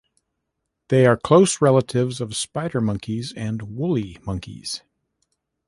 They are close relatives of spider monkeys and woolly monkeys.